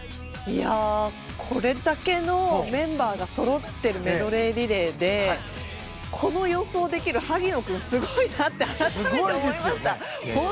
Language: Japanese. これだけのメンバーがそろっているメドレーリレーでこの予想できる萩野君すごいなって改めて思いました。